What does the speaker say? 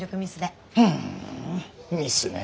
ふんミスね。